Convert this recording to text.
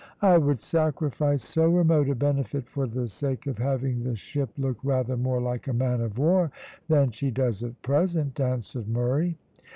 "I would sacrifice so remote a benefit for the sake of having the ship look rather more like a man of war than she does at present," answered Murray.